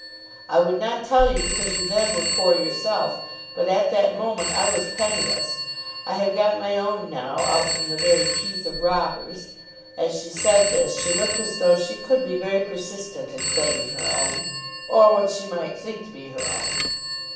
I would not tell you because you then were poor yourself, but at that moment I was penniless. I have got my own now out from the very teeth of robbers." As she said this, she looked as though she could be very persistent in claiming her own, or what she might think to be her own.